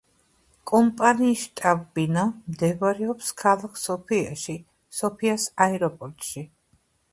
კომპანიის შტაბ-ბინა მდებარეობს ქალაქ სოფიაში, სოფიას აეროპორტში.